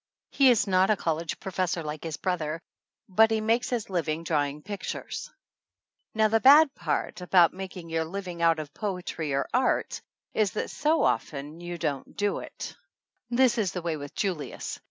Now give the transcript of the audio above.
He is not a college professor like his brother, but he makes his living drawing pictures. Now, 108 THE ANNALS OF ANN the bad part about making your living out of poetry or art is that so often you don't do it. This is the way with Julius.